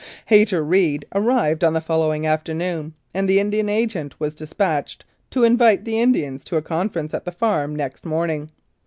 Hayter Reed arrived on the following afternoon, and the Indian Agent was dispatched to invite the Indians to a conference at the farm next morning.